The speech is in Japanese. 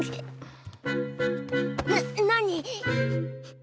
な何？